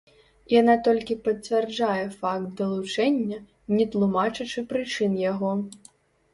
Яна толькі пацвярджае факт далучэння, не тлумачачы прычын яго.